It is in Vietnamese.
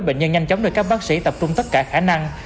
bệnh nhân nhanh chóng được các bác sĩ tập trung tất cả khả năng